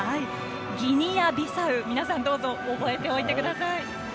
ギニアビサウ、皆さんどうぞ覚えておいてください。